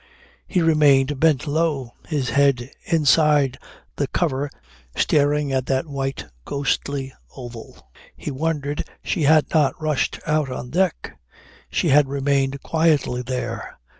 He remained bent low, his head inside the cover staring at that white ghostly oval. He wondered she had not rushed out on deck. She had remained quietly there.